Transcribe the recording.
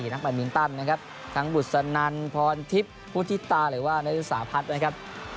นักแบตมินตันนะครับทั้งบุษนันพรทิพย์พุทธิตาหรือว่านรุสาพัฒน์นะครับ